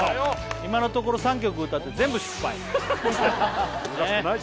今のところ３曲歌って全部失敗難しくない